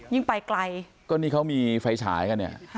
ไปไกลก็นี่เขามีไฟฉายกันเนี่ย